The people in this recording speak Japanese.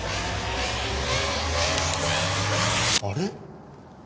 あれ？